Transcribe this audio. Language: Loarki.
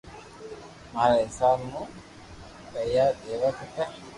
ماري حيساب مون پيئا ديوا کپي